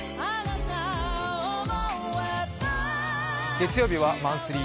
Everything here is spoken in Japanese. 月曜日はマンスリー